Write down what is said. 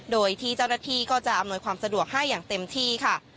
โดยที่เจ้าหน้าที่ก็จะอำนวยความสะดวกให้อย่างเต็มที่ค่ะ